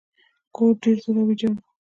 کور ډیر زوړ او ویجاړ و.